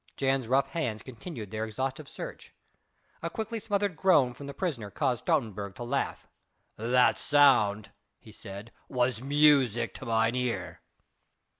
Jan's rough hands continued their exhaustive search; a quickly smothered groan from the prisoner caused Stoutenburg to laugh. "That sound," he said, "was music to mine ear."